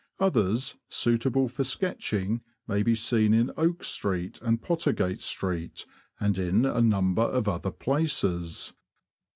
Others, suitable for sketching, may be seen in Oak Street and Pottergate Street, and in a number of other places.